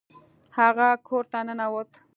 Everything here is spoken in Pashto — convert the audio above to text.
هغه کور ته ننوت.